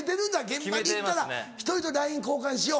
現場に行ったら１人とＬＩＮＥ交換しよう。